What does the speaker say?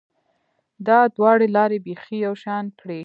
دا دواړې لارې بیخي یو شان کړې